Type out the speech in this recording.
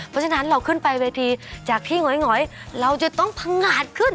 เพราะฉะนั้นเราขึ้นไปเวทีจากที่หงอยเราจะต้องพังงาดขึ้น